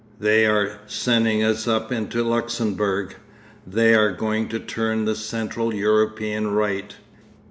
They are sending us up into Luxembourg. They are going to turn the Central European right.